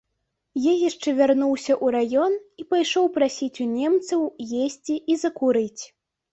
Я яшчэ вярнуўся ў раён і пайшоў прасіць у немцаў есці і закурыць.